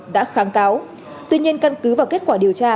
đã kháng cáo tuy nhiên căn cứ vào kết quả điều tra